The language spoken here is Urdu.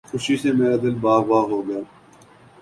خوشی سے میرا دل باغ باغ ہو گیا